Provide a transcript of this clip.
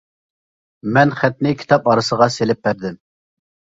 مەن خەتنى كىتاب ئارىسىغا سېلىپ بەردىم.